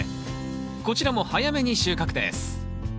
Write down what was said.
こちらも早めに収穫です